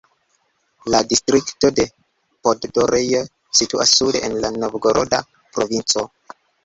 La distrikto de Poddorje situas sude en la Novgoroda provinco.